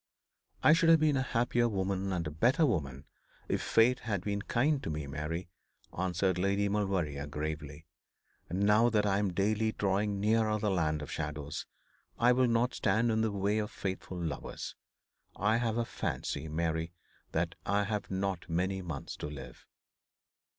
'I should have been a happier woman and a better woman if fate had been kind to me, Mary,' answered Lady Maulevrier, gravely; 'and now that I am daily drawing nearer the land of shadows, I will not stand in the way of faithful lovers. I have a fancy, Mary, that I have not many months to live.'